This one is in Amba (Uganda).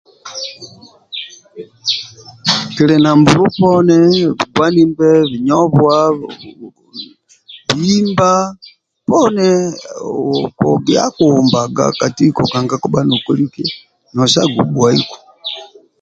Kili na mbulu poni bugwanimbe, binyobuwa, bihimba poni kugia akuhumbaga ka tiko kabha nokoliki nosagu bhuwaiku.